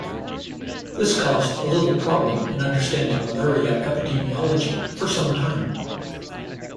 This caused a little problem in understanding malaria epidemiology for some time.